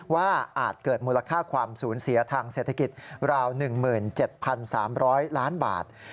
อาจเกิดมูลค่าความสูญเสียทางเศรษฐกิจราว๑๗๓๐๐ล้านบาท